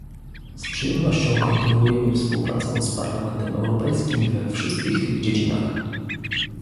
Z przyjemnością kontynuujemy współpracę z Parlamentem Europejskim we wszystkich tych dziedzinach